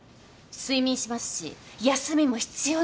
睡眠しますし休みも必要なんです。